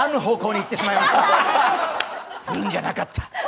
言うんじゃなかった！